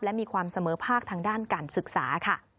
และมีความเสมอภาคทางด้านการศึกษาค่ะ